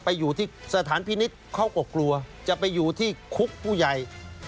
ไปอยู่ที่สถานพินิษฐ์เขาก็กลัวจะไปอยู่ที่คุกผู้ใหญ่